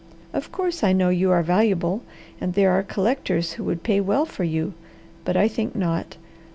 "Of course I know you are valuable and there are collectors who would pay well for you, but I think not.